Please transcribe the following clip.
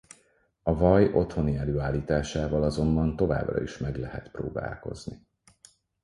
A vaj otthoni előállításával azonban továbbra is meg lehet próbálkozni.